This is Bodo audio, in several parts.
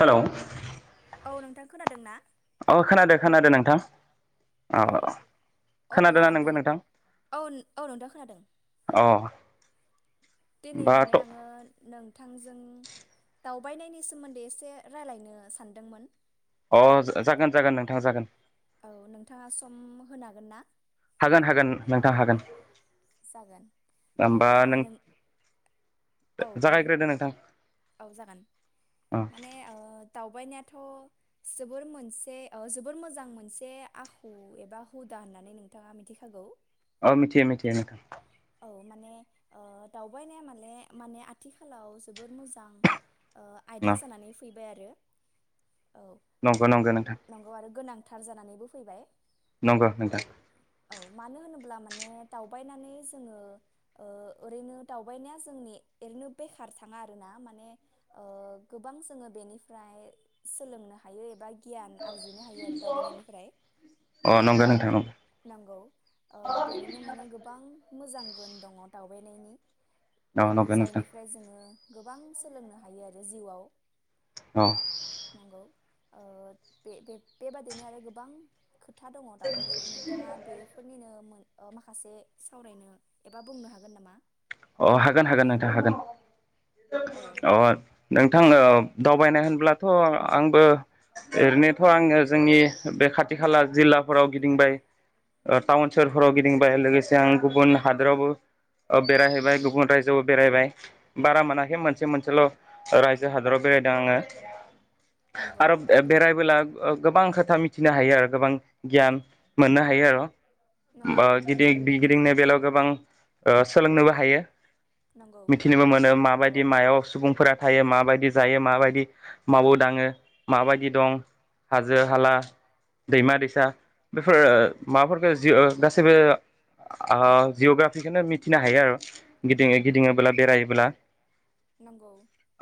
हेलौ औ नोंथां खोनादों ना? अ' खोनादों खोनादों नोंथां। अ औ अब्ला खोनादोंना दि नोंबो नोंथां औ औ नोंथां खोनादों। अ दिनै माने होमबाथ' आङो नों थांजों दावबायनायनि सोमोन्दै एसे रायलायनो सानदोंमोन। अ' जागोन जागोन नोंथां जागोन। गोन ना? हागोन हागोन नोंथां हागोन। जागोन। अब्ला नों औ बुं जागायग्रोदो नोंथां औ जागोन अ माने ओ दावबायनाया थ' जोबोर मोनसे ओ जोबोर मोजां मोनसे आखु एबा हुदा होननानै नोंथाङा मिथिखागौ। औ मिथियो मिथियो नोंथां। औ माने ओ दावबायनाया माने माने आथिखालाव जोबोद मोजां। ओ आयदा न जानानै फै बाय आरो नंगो नंगो नोंथां। थार जानानैबो फैबाय। नंगो नोंथां। औ मानो होनोब्ला माने दावबायनानै जोङो ओ ओरैनो दावबायनाया जोंनि ओरैनो बेखार थाङा आरोना माने ओ गोबां जोङो बेनिफ्राय सोलोंनो हायो एबा गियान आरजिनो हायो आरो दावबायनायनिफ्राय। अ नंगौ नोंथां नंगौ नंगौ ओ बेनिनो माने गोबां मोजां गुन दङ दावबायनायनि अ बेनि नंगौ नोंथां जायनिफ्राय जोङो गोबां सोलोंनो हायो आरो जिउआव औ नंगौ ओ बे-बेबादिनो आरो गोबां खोथा दङ दावबायनायनि नोंथाङा बेफोरनिनो मोन ओ माखासे सावरायनो एबा बुंनो हागोन नामा? अ' हागोन हागोन नोंथां हागोन औ अ' नोंथां अ' दावबायनाय होनब्लाथ' आंबो ओरैनोथ' आङो जोंनि बे खाथि खाला जिल्लाफोराव गिदिंबाय ओ टाउन सहोरफोराव गिदिंबाय लोगोसे आं गुबुन हादोरावबो ओ बेरायहैबाय गुबुन रायजोआवबो बेरायबाय बारा मोनाखै मोनसे मोनसेल' रायजो हादराव बेरायदों आङो नंगौ आरो बेरायबोला ओ गोबां खोथा मिथिनो हायो आरो गोबां गियान मोननो हायो बा नंगौ गिदि गि-गिदिंनो बेलायाव गोबां ओ। सोलोंनोबो हायो। नंगौ मिथिनोबो मोनो माबायदि मायाव सुबुंफोरा थायो माबायदि जायो माबायदि मावो दाङो माबायदि दं हाजो हाला दैमा दैसा बेफोर माबाफोरखौ जि गासैबो ओ जिअ'ग्राफिखौनो मि थिनो हायो आरो गिदिङो गिदिङोब्ला बेरायोब्ला नंगौ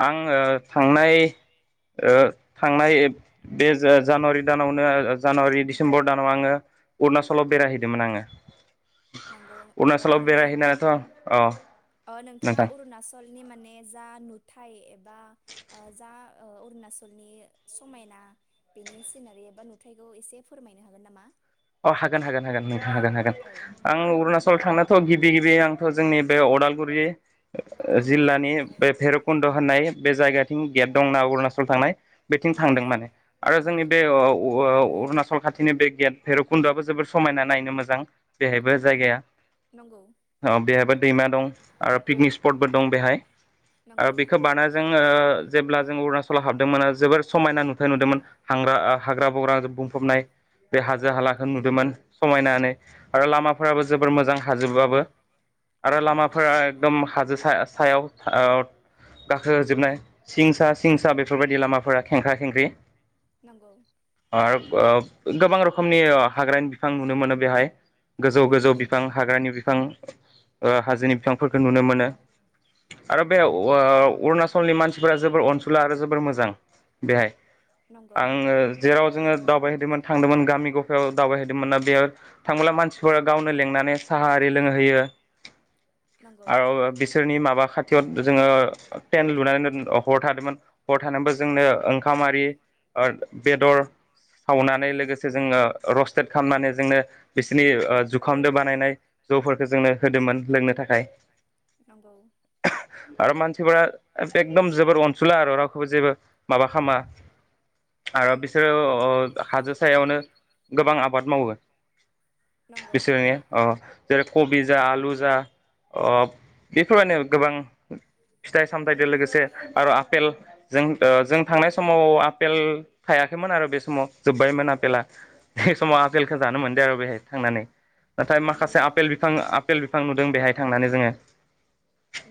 आं ओ थांनाय ओ थांनाय बे ओ जानुवारि दानावनो जानुवारि डिसेम्बर दानाव आङो अरुणाचलाव बेरायहैदोंमोन आङो नंगौ औ अरुणचलाव माने बेरायहैना ओ नोंथाङा अरुणचलनि माने जा नु थाय एबा ओ जा ओ अरुणचलनि समायना बेनि सिना एबा नुथायखौ एसे फोरमायनो हागोन नामा? अ हागोन हागोन हागोन नो हागोन हागोन औ आं अरुणाच सल थांनाथ' गिबि गिबि आंथ' जोंनि बे अदालगुरि नंगौ जिल्लानि बे भेरब खुन्द' होननाय बे जायगाथिं गेट दंना अरुणाचल थांनाय। बेथिं नंगौ थांदों नोंथां माने आरो नंगौ जोंनि बे ओ अ ओ अरुणाचल खाथिनि बे गेय्ट भैरबकुन्द'आबो जोबोर समायना नायनो मोजां बेहायबो जायगाया। नंगौ अ बेहायबो दैमा दं आरो पिकनिक स्पटबो दं बेहाय। आरो बेखौ बानाजों ओ जेब्ला जों अरुणाचलाव हाबदोंमोन जोबोर समायना नुथाय नुदोंमोन हांग्रा हाग्रा बंग्राजों बुंफबनाय बे हा जो हालाखौ नुदोंमोन समायनानो आरो लामाफोराबो जोबोर मोजां हाजोबाबो आरो नंगौ लामाफोरा एकदम हाजो सा-सायाव ओ गाखो होजोबनाय सिंसा सिंसा बेफोरबायदि लामाफोरा खेंख्रा खेंख्रि। नंगौ। आरो ओ गोबां रख खमनि हाग्रानि बिफां नुनो मोनो बेहाय। गोजौ गोजौ नंगौ नंगौ बिफां हाग्रानि बिफां। ओ हाजोनि बिफांफोरखौ नुनो मोनो आरो बेहाय अ अरुणाचलनि मानसिफोरा जोबोर अनसुला आरो जोबोर मोजां बेहाय नंगौ आङो जेराव जोङो दावबायहैदोंमोन थांदोंमोन गामि दस्रायाव दावबायहैदोंमोना बेयाव थांबोला मानसिफोरा गावनो लेंनानै साह आरि लोंहोयो। नंगौ आरो बिसोरनि माबा खा थियाव जोङो थेन लुनानै हर थादोंमोन हर थानानैबो जोंनो ओंखाम आरि ओ बेदर सावनानै लोगोसे जोङो रस्टेट खालामनानै जोंनो बिसोरनि ओ जुखामदो बानायनाय जौफोरखौ जोंनो होदोंमोन लोंनो था खाय नंगौ आरो मानसिफोरा एकदम जोबोर अनसुला आरो रावखौबो जेबो माबा खालामा आरो बिसोरो अ अ हाजो सायावनो गोबां आबाद मावो नंगौ बिसोरनि ओ जेरै कबि जा आलु जा अ बेफोर बायदिनो गोबां फिथाइ सामथाइजों लोगोसे आरो आफेल जों ओ जों थांनाय समाव आफपेल थायाखैमोन आरो बे समाव जोब्बायमोन आफपेला बे समाव आपेलखौ जानो मोनदिया आरो बेहाय थांनानै नाथाय नंगौ माखासे माने आफपेल बिफां आफेल बिफां नुदों बेहाय थांनानै जोङो।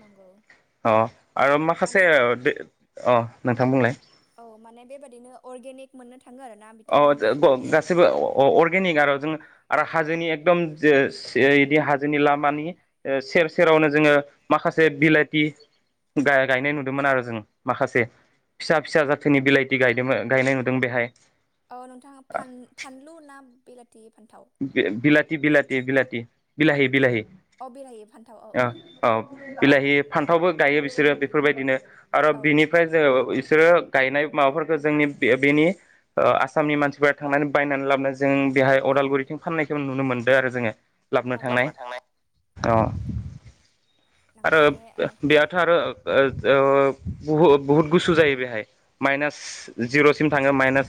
नंगौ अ आरो माखासे माने दै अ नोंथां बुंलाय औ माने बे बायदिनो अर्गेनिक मोननो थाङो आरोना अ जे बिथांमोननि थावनियाव ग-गासैबो अ-अर्गेनिक आरो जोंङो आरो हाजोनि एकदम जो से इदि हाजोनि लामानि ओ सेर सेरावनो जोङो माखासे बिलाइथि गायनाय नुदोंमोन आरो जों माखासे फिसा फिसा जाथिनि बिलाइथि गायदों गायनाय नुदों बेहाय औ नोंथाङा फान फानलु ना बे फान्थाव थि बिलाथि बिलाथि बिलाहि बिलाहि अ बिलाहि फान्थाव औ अ औ बिलाहि फान्थावबो गायो बिसोरो बेफोरबायदिनो आरो बिनिफ्राय औ जोङो बिसोरो गायनाय माबाफोरखौ जोंनि बेनि ओ आसामनि मानसिफोरा थांनानै बायनानै लाबनो जों बेहाय अदालगुरि थिं फाननायखौ नुनो मोन्दों आरो जोङो लाबनो थांनाय अ नंगौ आरो माने ओ बेयाथ' आरो ओ ओ बुहु बुहुद गुसु जायो बेहाय माइनास जिर'सिम थांङो माइनास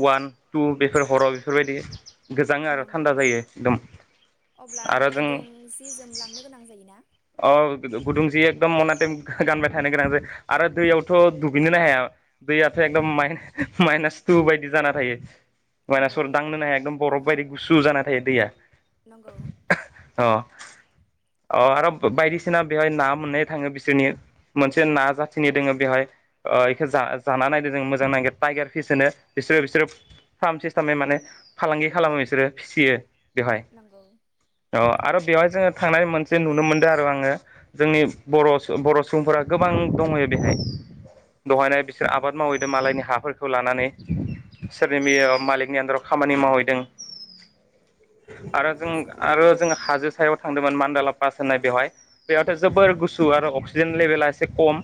अवान टु बेफोर हराव' बेफोर बायदि गोजां आरो थान्दा जायो एकदम अब्ला आरो जों गुदुं जि जोमलांनो गोनां जायोना? अ गुदुं जि एकदम मनाटेम गानबाय थानो गोनां जायो आरो दैयावथ' दुगैनोन ना हाया दैयाथ' एकदम माइनास टु बायदि जाना थायो मानास नंगौ पर दांनोनो हाया बरफ बायदि एकदम बरफ बायदि गुसु जाना थायो दैया नंगौ अ अ आरो बायदिसिना बेवहाय ना मोननाय थाङो बिसोरनि मोनसे ना जाथिनि दोङो बेवहाय इखो जाना नायदो जों मोजां नागिद टाइगार फिस होनो बिसोरो बिसोरो फार्म सिस्टेमै माने फालांगि खालामो बिसोरो फिसियो बेवहाय नंगौ औ आरो बेवहाय जोङो थांनाय मोनसे नुनो मोनो आरो आङो जोंनि बर' बर' सुबुंफोरा गोबां दंहैयो बेहाय दहायनो बिसोर आबाद मावहैदों मालायनि हाफोरखौ लानानै सोरनि नंगौ मेयाव मालिकनि आनदासाव खामानि मावहैदों नंगौ आरो जों माने आरो जों हाजो सायाव थांदोंमोन मा [unintelligible] नाय बेवहाय बेयावथ' जोबोर गुसु आरो अक्सिजेन लेभेला एसे खम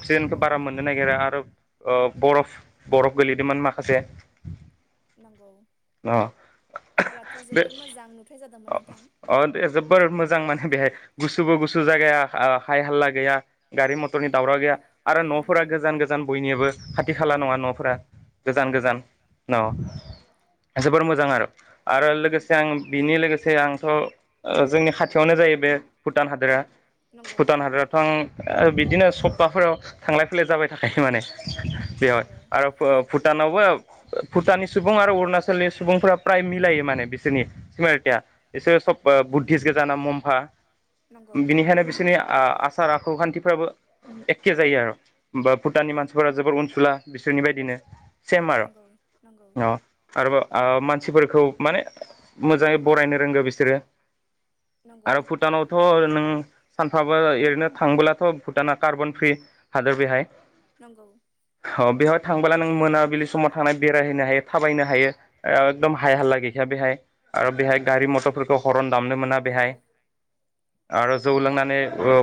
अक्सिजेनखौ नंगौ बारा मोननो नागिरा आरो ओ बरफ बरफ गोलैदोंमोन माखासे नंगौ अ अब्लाथ' बे जोबोर मोजां नुथाय जादोंमोन नोंथां अ दे जबोर मोजां माने बेहाय गुसुबो गुसु जायगाया हाय हाल्ला गैया गारि मथरनि दावराव गैया आरो नंगौ न'फोरा गोजान गोजान बयनियाबो खाथि खाला नङा नंगौ न'फोरा गोजान नंगौ गोजान अ जोबोर मोजां आरो आरो नंगौ लोगोसे आं बिनि लोगोसे आंथ' ओ जोंनि खाथियावनो जायो बे भुटान हादोरा नंगौ भुटान हादरावथ' आं बिदिनो सब बाफोराव थांलाय फैलाय जाबाय थाखायो माने बेयावहाय नंगौ आरो भुटानावबो भुटाननि सुबु आरो उरनाचल नि सुबुं फोरा प्राय मिलायो माने एसे सब [unintelligible] नंगौ बिनिखायनो बिसोरनि आसार आखु खान्थिफोराबो एखे जायो आरो बा भुटाननि मानसिफोरा जोबोर अनसुला बिसोरनि बायदिनो सेम आरो नंगौ नंगौ अ आरोबाव मानसिफोरखौ माने मोजाङै बरायनो रोंगो बिसोरो नंगौ आरो भुटानावथ' नों सानफ्राबो ओरैनो थांबोलाथ' भुटाना कार्बन फ्रि हादोर बेहाय नंगौ अ बेवहाय थांबोला नों मोनाबिलि समाव थांनानै बेरायहैनो हायो थाबायनो हायो एकदम हाय हालला गैखाया बेहाय आरो बेहाय गारि मथरफोरखौ हरन दामनो मोना बेहाय आरो जौ नंगौ लोंनानै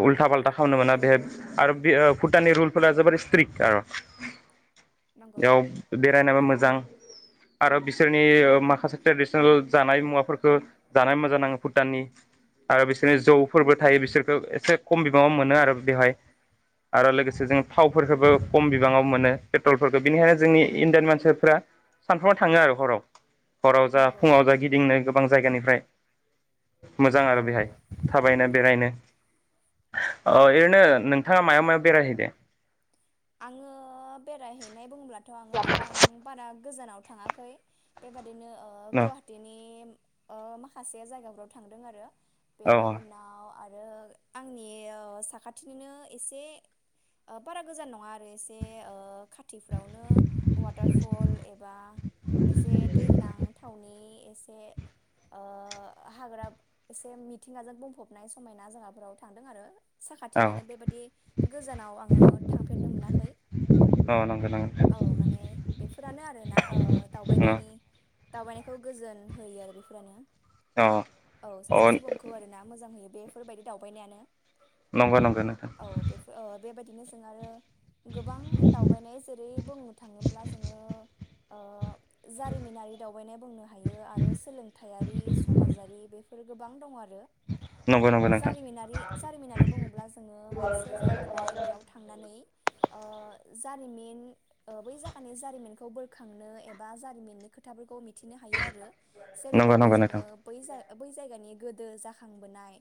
उल्था फाल्था खामनो मोना बेहाय आरो भुटाननि रुलफोरा जोब स्ट्रिक आरो नंगौ बेयाव बेरायनोबो मोजां आरो बिसोरनि माखासे ट्रेडिसनेल जानाय मुवाफोरखौ जानानै मोजां नाङो भुटाननि आरो बिसोर बे जौफोरबो थायो बिसोरखौो एसे खम बिबाङाव मोनो आरो बेवहाय आरो लोगोसे जों थावफोरखौबो खम बिबाङाव मोनो पेट्रलफोरखौ बेनिखायनो जोंनि इण्डियान मानसि फोरा सानफ्रोमबो थाङो आरो हराव हराव जा नंगौ फुङाव जा गिदिंनो गोबां जायगानिफ्राय मोजां आरो नंगौ बेहाय। बेरायनो ओरैनो नोंथाङा मायाव मायाव बेरायहैदों। आङो बेरायहैनाय बुंब्ला दाथ आङो नोंथां बारा गोजानाव थाङाखै बेबादि बिदिनो औ गुवाहाटीनि ओ माखासे जायगाफोराव थांदों आरो। औ बेनि उनाव आरो आरो आंनि साखाथिनोननो एसे बारा गोजान नङा मार एसे खाथिफ्रावनो वाटार फल एबा एसे दै गोनां थावनि एसे ओ हाग्रा एसे मिथिंगाजों बुंफबनाय समायना जोंहाफोराव थांदों आरो। औ साखाथिनिनो बेबायाददि गोजानाव आङो थां फेरनो मोनाखै औ नंगौ नंगौ औ माने बेफोरानो आरोना दावबायनायनि दावबायनायखौ गोजोन होयो आरो बेफोरानो। औ औ सासे सुबुंखौ आरोना मोजां होयो। बेफोरबायदि दावबायनायानो। नंगौ नंगौ नोंथां औ बेफोर ओ बेबायदिनो जों आरो गोबां दावबायनाय जेरै बुंनो थाङोब्ला जोङो ओ जारिमिनारि दावबायनाय बुंनो हायो आरो सोलोंथायारि समाजारि बेफोर बेफोर गोबां दं आरो। नंगौ आरो नंगौ ओ नोंथां जारिमिनारि जारिमिनारि बुङोब्ला जोङो मोनसे जायगानि बेयाव थांनानै ओ जारिमिन बै जागानि जारिमिनखौ बोखांनो एबा जारिमिननि खोथाफोरखौ मि थिनो हायो आरो नंगौ जेरैबायदि नंगौ नोंथां जोङो बै जाय बै जायगानि गोदो जाखांबोनाय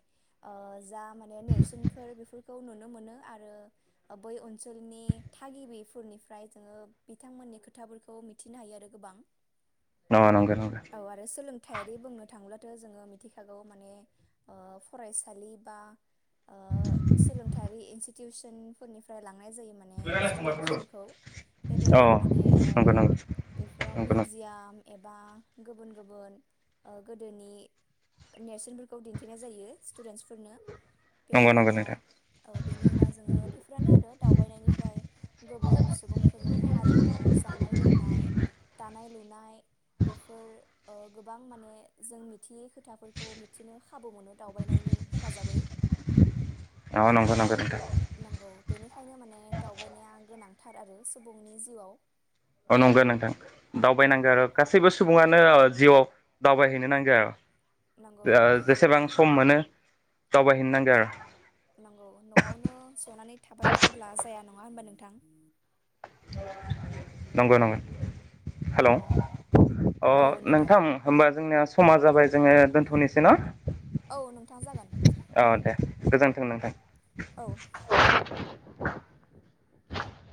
ओ जा माने नेरसोनफोर बेफोरखौ नुनो मोनो आरो ओ बै ओनसोलनि थागिबिफोरनिफ्राय थाखाय जोङो बिथांमोननि खोथाफोरखौ मिथिनो हायो आरो गोबां औ नंगौ नंगौ औ आरो सोलोंथायारि बुंनो थांब्ला जोङो मिथिखागौ माने फरायसालि बा ओ सोलोंथायारि इन्सि टिउसन फोरनिफ्राय मोननाय जायो माने स्टुदेन्सफोरखौ औ बेबायदिनो माने ओ नंगौ नंगौ नंगौ बेफोराव मिउजिआम एबा गुबुन गुबुन ओ गोदोनि नेरसोनफोरखौ दिन्थिनाय जायो स्टुडेन्टसफोरनि नंगौ नंगौ बेनि उनाव नोंथां औ बेनि उनाव जोङो बेफोरानो आरो। दावबायनायनिफ्राय गुबुन सुबुंफोरनि हारिमु जानाय लोंनाय दानाय लुनाय बेफोर ओ गोबां माने जों मिथियै खोथाफोरखौ मिथिनो खाबु मोनो दावबायनायनि हेफाजाबै। नंगो नंगो नंगो नोंथां। नंगौ बेनिखायनो माने दावबायनाया गोनांथार आरो सुबुंनि जिउआव औ नंगो नोंथां दावबायनांगौ नंगौ आरो गासैबो सुबुङानो जिउआव दावबायहैनो नांगौ। नंगौ ओ माने जेसेबां सम मोनो। दावबाय हैनो नांगो। नंगौ न'आवनो जनानै थाबाय थाब्ला जाया नङा ओमबा नोंथां। नंगौ नंगौ। हेलौ औ अ नोंथां होमबा जोंनिया समा जाबाय जोङो दोन्थ'निसै न? औ नोंथां जागोन। गोजोनथों नोंथां। औ। [inaudible]